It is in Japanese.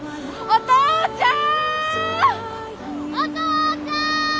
お父ちゃん！